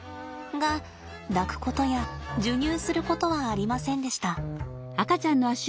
が抱くことや授乳することはありませんでした。